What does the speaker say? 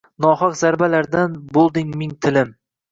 Nohaq zarbalardan bo’lding ming tilim